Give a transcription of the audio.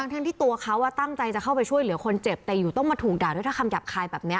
ทั้งที่ตัวเขาตั้งใจจะเข้าไปช่วยเหลือคนเจ็บแต่อยู่ต้องมาถูกด่าด้วยถ้าคำหยาบคายแบบนี้